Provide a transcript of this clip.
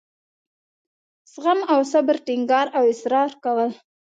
زغم او صبر ټینګار او اصرار کول.